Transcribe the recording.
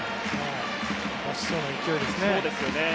出しそうな勢いですね。